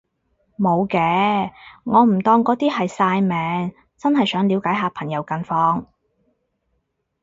無嘅，我唔當嗰啲係曬命，真係想了解下朋友近況